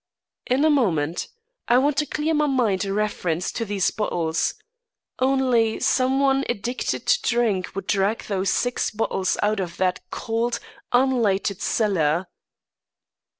"In a moment. I want to clear my mind in reference to these bottles. Only some one addicted to drink would drag those six bottles out of that cold, unlighted cellar."